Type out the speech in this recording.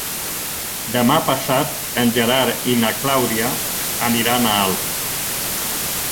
Demà passat en Gerard i na Clàudia aniran a Alp.